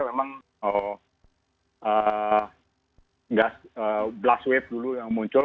memang blast wave dulu yang muncul